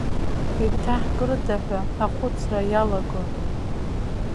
Иҭаҳкрыда ҳәа ахәыцра иалагон.